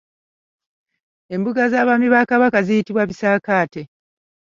Embuga z’abaami ba Kabaka ziyitibwa bisaakaate.